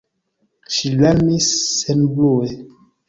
Ŝi larmis senbrue.